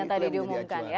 yang tadi diumumkan ya